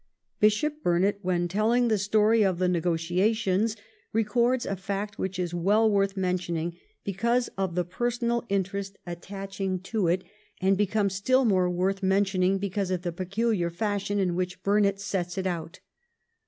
Bishop Burnet, when telling the story of the negotiations, records a fact which is well worth mentioning because of the personal interest attach 1710 11 'ONE prior; 103 ing to it and becomes still more worth mentioning because of the peculiar fashion in which Burnet sets it down.